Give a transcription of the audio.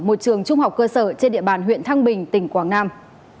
một trường trung học cơ sở trên địa bàn huyện thăng bình tỉnh quảng nam